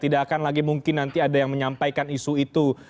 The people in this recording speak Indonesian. bahkan lagi mungkin nanti ada yang menyampaikan isu itu